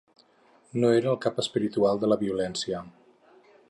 No era el ‘cap espiritual’ de la violència.